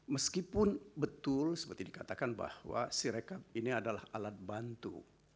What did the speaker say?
meskipun betul seperti dikatakan bahwa sirekap ini adalah alat bantu